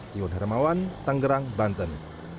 tiong hermawan tanggerang banten